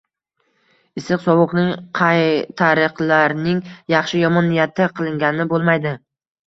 Issiq-sovuqning, qaytariqlarning yaxshi-yomon niyatda qilingani bo`lmaydi